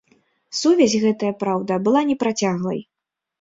Сувязь гэтая, праўда, была непрацяглай.